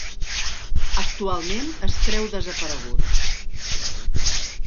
Actualment, es creu desaparegut.